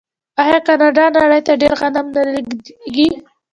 آیا کاناډا نړۍ ته ډیر غنم نه لیږي؟